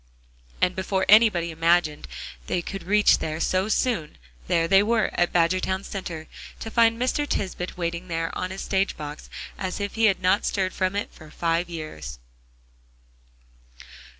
And before anybody imagined they could reach there so soon, there they were at Badgertown Center, to find Mr. Tisbett waiting there on his stage box as if he had not stirred from it for five years.